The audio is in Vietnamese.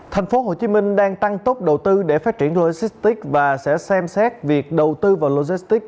tp hcm đang tăng tốc đầu tư để phát triển logistics và sẽ xem xét việc đầu tư vào logistics